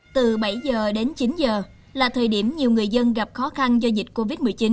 từ bảy giờ đến chín giờ là thời điểm nhiều người dân gặp khó khăn do dịch covid một mươi chín